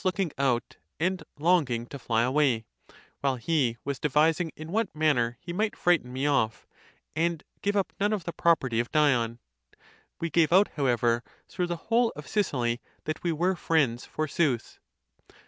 looking out, and longing to fly away; while he was devising in what manner he might frighten me off,t and give up none of the property of Dion. We gave out however through the whole of Sicily, that we were friends forsooth.